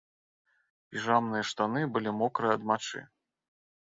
Піжамныя штаны былі мокрыя ад мачы.